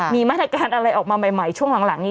มีมาตรการอะไรออกมาใหม่ช่วงหลังนี้